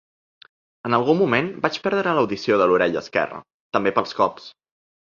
En algun moment, vaig perdre l’audició de l’orella esquerra, també pels cops.